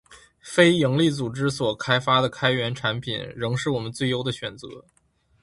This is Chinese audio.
非营利组织所开发的开源产品，仍是我们最优的选择